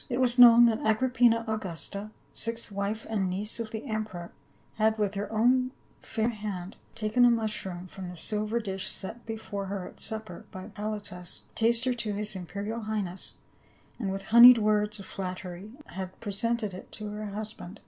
It was known that Agrippina Augusta,* sixth wife and niece of the emperor, had with her own fair hand taken a mushroom from the silver dish set before her at supper by Halotus, taster to his imperial high ness, and with honeyed words of flattery had presented it to her husband.